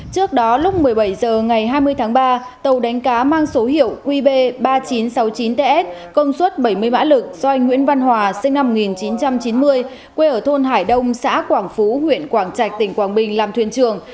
trước đó lúc một mươi bảy h ngày hai mươi tháng ba tàu đánh cá mang số hiệu qb ba nghìn chín trăm sáu mươi chín ts công suất bảy mươi mã lực do anh nguyễn văn hòa sinh năm một nghìn chín trăm chín mươi quê ở thôn hải đông xã quảng phú huyện quảng trạch tỉnh quảng bình làm thuyền trường